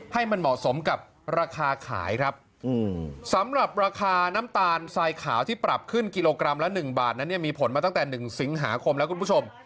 ให้มันเหมาะสมกับราคาขายครับสำหรับราคาน้ำตาลทรายขาวที่ปรับขึ้นกิโลกรัมละ๑บาทนั้นเนี่ยมีผลมาตั้งแต่๑สิงหาคมแล้วคุณผู้ชม